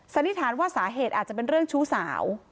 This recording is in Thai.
สันนิษฐานว่าสาเหตุอาจจะเป็นเรื่องชู้สาว